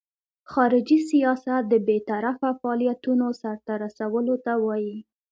خارجي سیاست د بیطرفه فعالیتونو سرته رسولو ته وایي.